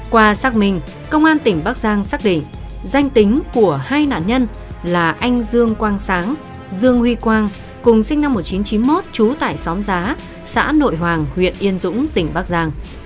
qua xác minh công an tỉnh bắc giang xác định danh tính của hai nạn nhân là anh dương quang sáng dương huy quang cùng sinh năm một nghìn chín trăm chín mươi một trú tải xóm giá xã nội hoàng huyện yên dũng tỉnh bắc giang